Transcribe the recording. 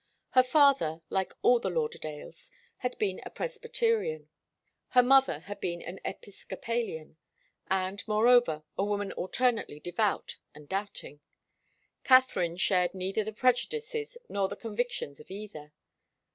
Her father, like all the Lauderdales, had been a Presbyterian. Her mother had been an Episcopalian, and, moreover, a woman alternately devout and doubting. Katharine shared neither the prejudices nor the convictions of either.